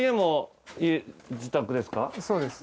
そうです。